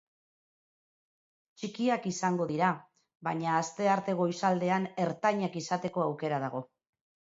Txikiak izango dira, baina astearte goizaldean ertainak izateko aukera dago.